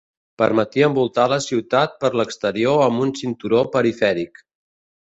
Permetia envoltar la ciutat per l'exterior amb un cinturó perifèric.